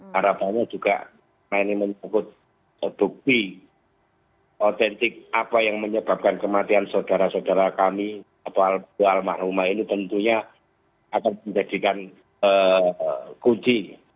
harapannya juga nah ini menyangkut bukti otentik apa yang menyebabkan kematian saudara saudara kami atau almarhumah ini tentunya akan menjadikan kunci